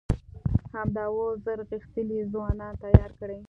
همدا اوس زر غښتلي ځوانان تيار کئ!